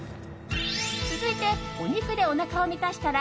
続いてお肉でおなかを満たしたら